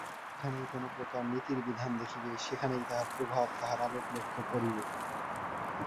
যেখানেই কোনপ্রকার নীতির বিধান দেখিবে, সেখানেই তাঁহার প্রভাব, তাঁহার আলোক লক্ষ্য করিবে।